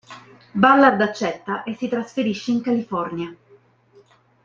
Ballard accetta e si trasferisce in California.